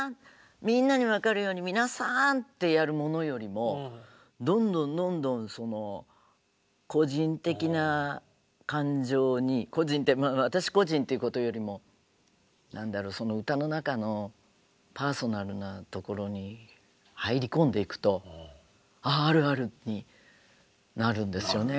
みんなに分かるように皆さんってやるものよりもどんどんどんどん個人的な感情に個人って私個人っていうことよりも何だろう歌の中のパーソナルなところに入り込んでいくとあああるあるになるんですよね。